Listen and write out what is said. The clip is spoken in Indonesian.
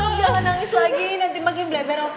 udah udah stop stop jangan nangis lagi nanti makin bleber oke oke